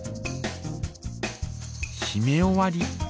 しめ終わり。